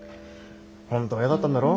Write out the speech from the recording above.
本当は嫌だったんだろ？